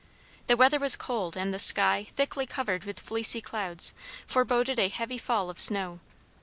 The weather was cold, and the sky, thickly covered with fleecy clouds, foreboded a heavy fall of snow.